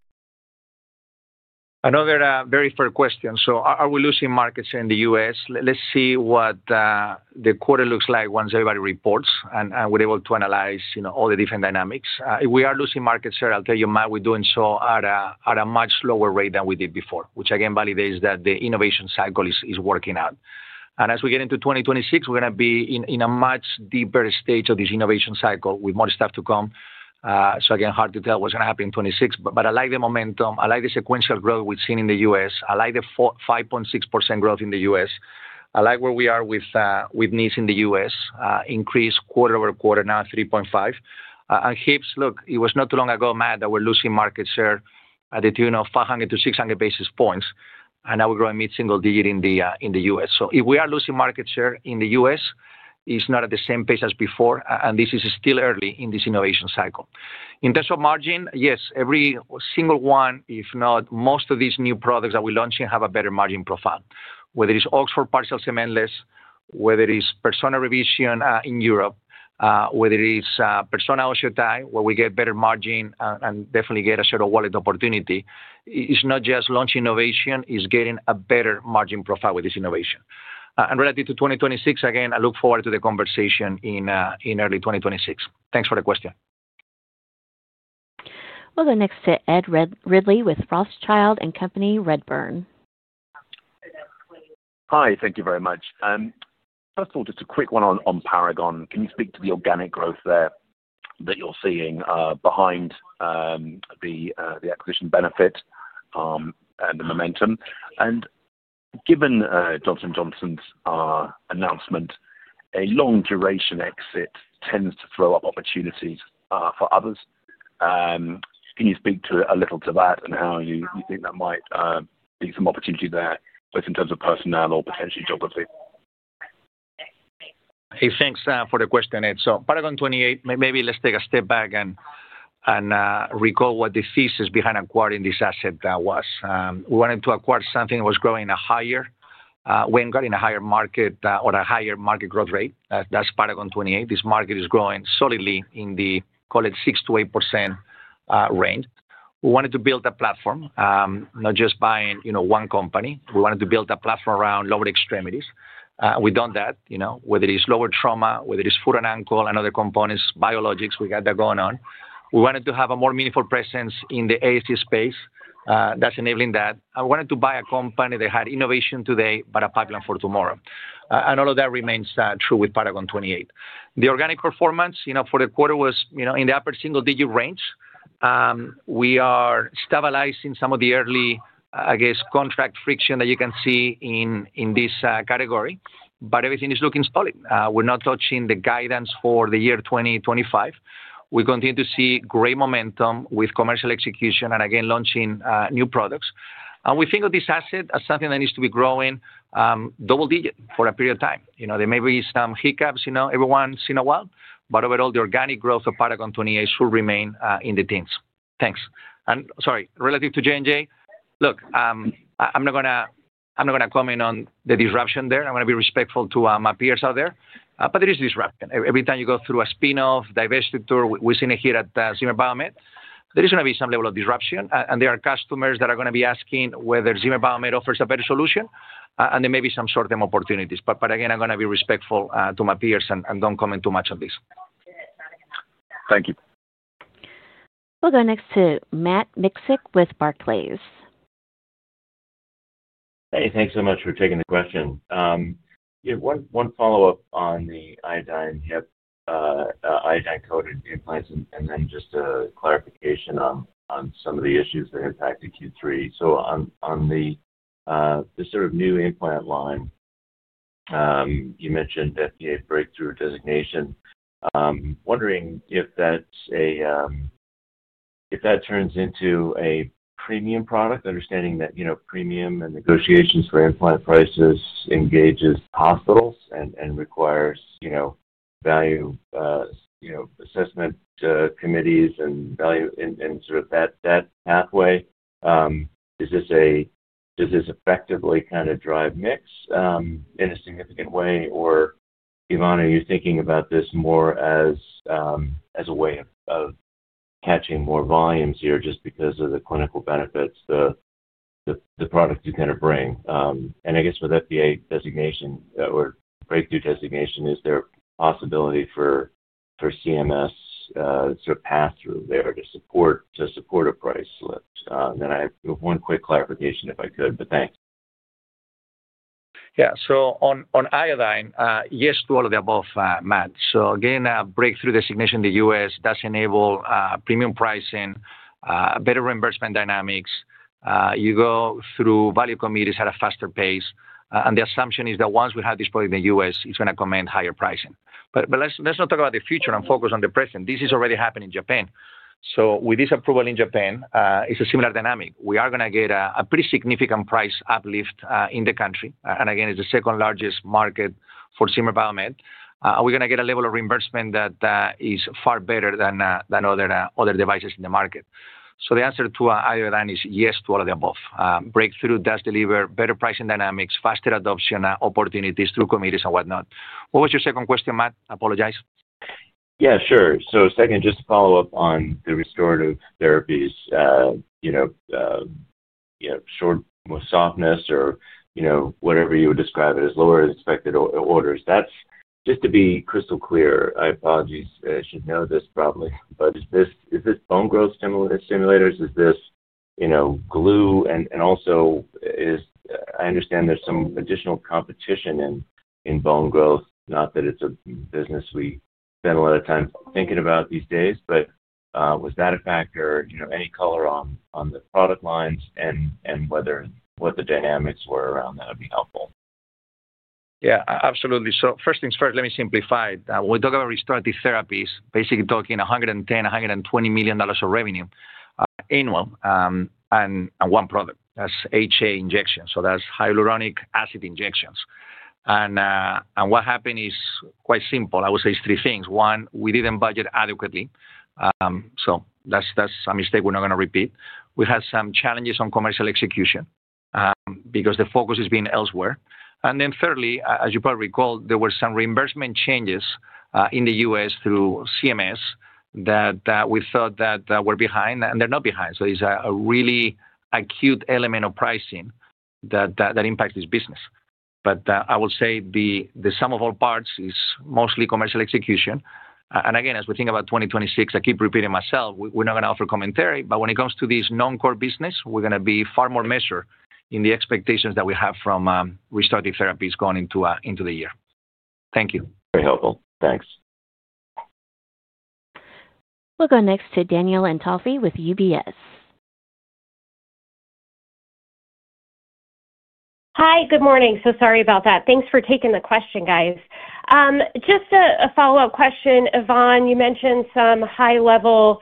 Another very fair question. So are we losing market share in the U.S.? Let's see what the quarter looks like once everybody reports and we're able to analyze all the different dynamics. If we are losing market share, I'll tell you, Matt, we're doing so at a much slower rate than we did before, which again validates that the innovation cycle is working out. And as we get into 2026, we're going to be in a much deeper stage of this innovation cycle with more stuff to come. So again, hard to tell what's going to happen in 2026. But I like the momentum. I like the sequential growth we've seen in the U.S. I like the 5.6% growth in the U.S. I like where we are with knees in the U.S., increased quarter-over- quarter, now 3.5. And HIPS, look, it was not too long ago, Matt, that we're losing market share at the tune of 500 to 600 basis points. And now we're growing mid-single digit in the U.S. So if we are losing market share in the U.S., it's not at the same pace as before. And this is still early in this innovation cycle. In terms of margin, yes, every single one, if not most of these new products that we launch have a better margin profile, whether it's Oxford partial cementless, whether it's Persona revision in Europe, whether it's Persona OsseoTI, where we get better margin and definitely get a share of wallet opportunity. It's not just launching innovation. It's getting a better margin profile with this innovation. And relative to 2026, again, I look forward to the conversation in early 2026. Thanks for the question. We'll go next to Ed Ridley with Frost Child and Company, Redburn. Hi. Thank you very much. First of all, just a quick one on Paragon. Can you speak to the organic growth there that you're seeing behind. The acquisition benefit. And the momentum? And given Johnson & Johnson's announcement, a long-duration exit tends to throw up opportunities for others. Can you speak to a little to that and how you think that might be some opportunity there, both in terms of personnel or potentially geography? Hey, thanks for the question, Ed. So Paragon 28, maybe let's take a step back and. Recall what the thesis behind acquiring this asset was. We wanted to acquire something that was growing higher. We ain't got in a higher market or a higher market growth rate. That's Paragon 28. This market is growing solidly in the, call it, 6% to 8%. Range. We wanted to build a platform. Not just buying one company. We wanted to build a platform around lower extremities. We've done that, whether it's lower trauma, whether it's foot and ankle, and other components, biologics, we got that going on. We wanted to have a more meaningful presence in the ASC space. That's enabling that. I wanted to buy a company that had innovation today, but a pipeline for tomorrow. And all of that remains true with Paragon 28. The organic performance for the quarter was in the upper single-digit range. We are stabilizing some of the early, I guess, contract friction that you can see in this category. But everything is looking solid. We're not touching the guidance for the year 2025. We continue to see great momentum with commercial execution and again, launching new products. And we think of this asset as something that needs to be growing double-digit for a period of time. There may be some hiccups every once in a while, but overall, the organic growth of Paragon 28 should remain in the teens. Thanks. And sorry, relative to J&J, look, I'm not going to comment on the disruption there. I'm going to be respectful to my peers out there. But there is disruption. Every time you go through a spin-off, divestiture, we've seen it here at Zimmer Biomed, there is going to be some level of disruption. And there are customers that are going to be asking whether Zimmer Biomed offers a better solution, and there may be some short-term opportunities. But again, I'm going to be respectful to my peers and don't comment too much on this. Thank you. We'll go next to Matt Miksic with Barclays. Hey, thanks so much for taking the question. One follow-up on the iodine hip. Iodine-coated implants, and then just a clarification on some of the issues that impacted Q3. So on the. Sort of new implant line, you mentioned FDA breakthrough designation. I'm wondering if that's. A. Turns into a premium product, understanding that premium and negotiations for implant prices engages hospitals and requires. Value. Assessment committees and sort of that pathway. Is this. Effectively kind of drive mix in a significant way? Or, Ivan, are you thinking about this more as. A way of. Catching more volumes here just because of the clinical benefits, the. Product you kind of bring? And I guess with FDA designation or breakthrough designation, is there a possibility for. CMS. Sort of pass-through there to support. A price slip? And then I have one quick clarification if I could, but thanks. Yeah. So on iodine, yes to all of the above, Matt. So again, breakthrough designation in the U.S. does enable premium pricing, better reimbursement dynamics. You go through value committees at a faster pace. And the assumption is that once we have this product in the U.S., it's going to command higher pricing. But let's not talk about the future and focus on the present. This is already happening in Japan. So with this approval in Japan, it's a similar dynamic. We are going to get a pretty significant price uplift in the country. And again, it's the second largest market for Zimmer Biomed. We're going to get a level of reimbursement that is far better than other devices in the market. So the answer to iodine is yes to all of the above. Breakthrough does deliver better pricing dynamics, faster adoption opportunities through committees and whatnot. What was your second question, Matt? Apologize. Yeah, sure. So second, just to follow up on the restorative therapies. Short. Softness or whatever you would describe it as, lower-than-expected orders. Just to be crystal clear, I apologies if you should know this probably, but is this bone growth stimulators? Is this. Glue? And also. I understand there's some additional competition in bone growth, not that it's a business we spend a lot of time thinking about these days. But was that a factor? Any color on the product lines and what the dynamics were around that would be helpful. Yeah, absolutely. So first things first, let me simplify it. When we talk about restorative therapies, basically talking $110, $120 million of revenue annual. And one product. That's HA injections. So that's hyaluronic acid injections. And what happened is quite simple. I would say it's three things. One, we didn't budget adequately. So that's a mistake we're not going to repeat. We had some challenges on commercial execution because the focus has been elsewhere. And then thirdly, as you probably recall, there were some reimbursement changes in the U.S. through CMS that we thought that were behind, and they're not behind. So there's a really acute element of pricing that impacts this business. But I will say the sum of all parts is mostly commercial execution. And again, as we think about 2026, I keep repeating myself, we're not going to offer commentary. But when it comes to this non-core business, we're going to be far more measured in the expectations that we have from restorative therapies going into the year. Thank you. Very helpful. Thanks. We'll go next to Danielle Antalffy with UBS. Hi, good morning. So sorry about that. Thanks for taking the question, guys. Just a follow-up question. Ivan, you mentioned some high-level.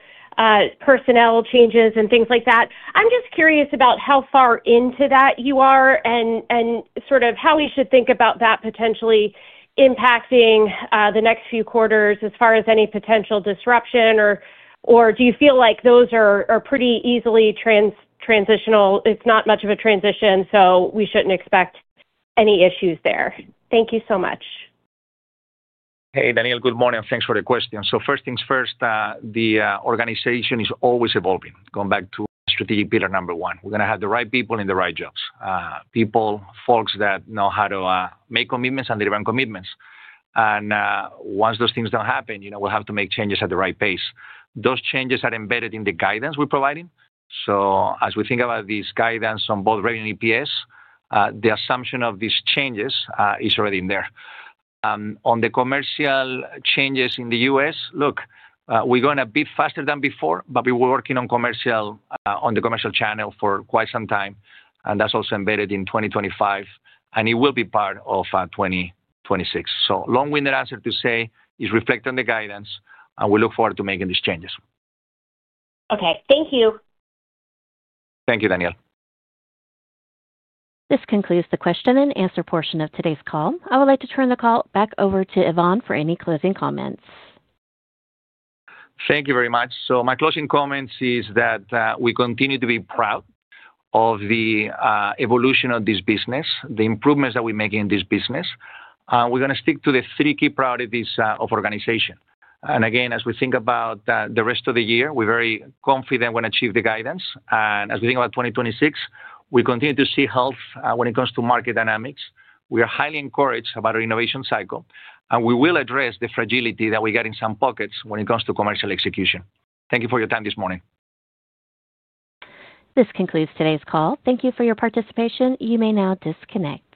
Personnel changes and things like that. I'm just curious about how far into that you are and sort of how we should think about that potentially impacting the next few quarters as far as any potential disruption, or do you feel like those are pretty easily. Transitional? It's not much of a transition, so we shouldn't expect any issues there. Thank you so much. Hey, Danielle, good morning. Thanks for the question. So first things first, the organization is always evolving. Going back to strategic pillar number one. We're going to have the right people in the right jobs. People, folks that know how to make commitments and deliver on commitments. And once those things don't happen, we'll have to make changes at the right pace. Those changes are embedded in the guidance we're providing. So as we think about these guidance on both revenue and EPS, the assumption of these changes is already in there. On the commercial changes in the U.S., look, we're going to be faster than before, but we were working on the commercial channel for quite some time. And that's also embedded in 2025, and it will be part of 2026. So long-winded answer to say is reflect on the guidance, and we look forward to making these changes. Okay. Thank you. Thank you, Danielle. This concludes the question and answer portion of today's call. I would like to turn the call back over to Ivan for any closing comments. Thank you very much. So my closing comments is that we continue to be proud of the evolution of this business, the improvements that we're making in this business. We're going to stick to the three key priorities of organization. And again, as we think about the rest of the year, we're very confident we're going to achieve the guidance. And as we think about 2026, we continue to see health when it comes to market dynamics. We are highly encouraged about our innovation cycle, and we will address the fragility that we got in some pockets when it comes to commercial execution. Thank you for your time this morning. This concludes today's call. Thank you for your participation. You may now disconnect.